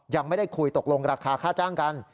ยังไม่ได้คุยตกลงราคาค่าจ้างกัน